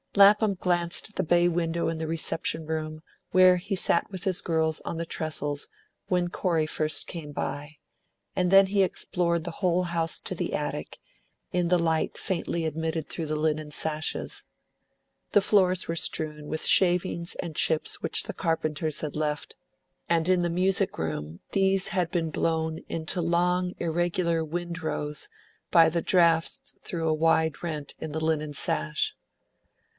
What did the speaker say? Lapham glanced at the bay window in the reception room, where he sat with his girls on the trestles when Corey first came by; and then he explored the whole house to the attic, in the light faintly admitted through the linen sashes. The floors were strewn with shavings and chips which the carpenters had left, and in the music room these had been blown into long irregular windrows by the draughts through a wide rent in the linen sash.